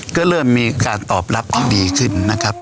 ก็เริ่มมีการตอบรับที่ดีขึ้นนะครับ